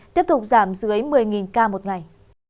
tiếp tục giảm dưới một mươi ca một ngày